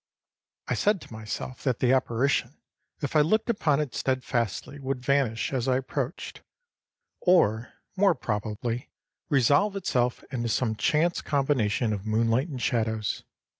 I said to myself that the apparition, if I looked upon it steadfastly, would vanish as I approached, or, more probably, resolve itself into some chance combination of moonlight and shadows.